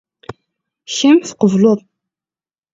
Kemm tqeble?.